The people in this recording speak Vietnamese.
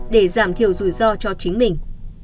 để giảm thiểu rủi ro cho chính mình